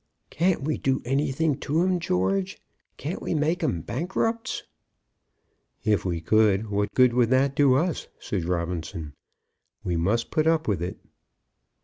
"Can't we do anything to 'em, George? Can't we make 'em bankrupts?" "If we could, what good would that do us?" said Robinson. "We must put up with it."